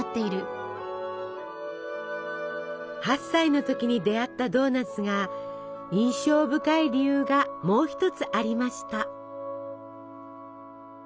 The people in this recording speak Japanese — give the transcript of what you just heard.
８歳の時に出会ったドーナツが印象深い理由がもう一つありました。